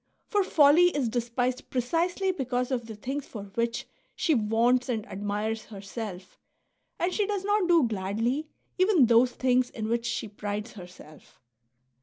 For folly is despised precisely because of the things for which she vaunts and admires herself, and she does not do gladly even those things in which she prides herself.